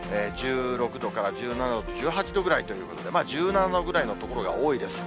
１６度から１７度、１８度ぐらいということで、１７度ぐらいの所が多いです。